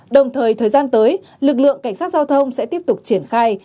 đồng thời thời gian tới lực lượng cảnh sát giao thông sẽ tiếp tục triển khai